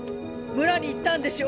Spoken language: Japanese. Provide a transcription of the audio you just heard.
村に行ったんでしょ。